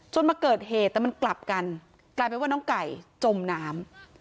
มาเกิดเหตุแต่มันกลับกันกลายเป็นว่าน้องไก่จมน้ำ